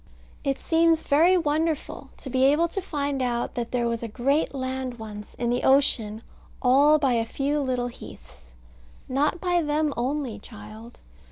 It seems very wonderful, to be able to find out that there was a great land once in the ocean all by a few little heaths. Not by them only, child.